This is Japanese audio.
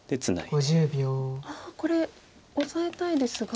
あこれオサえたいですが。